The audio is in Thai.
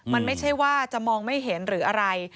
มันไม่ใช่ว่าจะมองไม่เห็นหรืออะไร